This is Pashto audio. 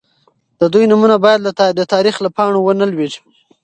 د دوی نومونه باید د تاریخ له پاڼو ونه لوېږي.